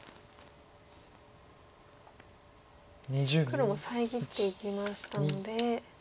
黒も遮っていきましたので。